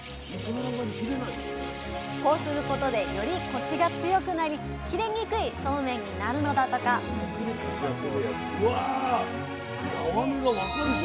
こうすることでよりコシが強くなり切れにくいそうめんになるのだとかうわ縄目が分かるじゃん。